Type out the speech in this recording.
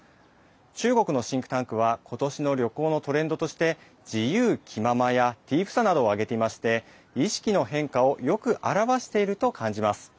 中国のシンクタンクは今年の旅行のトレンドとして自由気ままやディープさなどを挙げていまして意識の変化をよく表していると感じます。